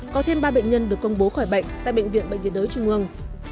có thêm ba bệnh nhân được công bố khỏi bệnh tại bệnh viện bệnh viện đới trung ương